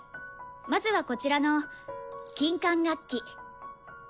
まずはこちらの金管楽器。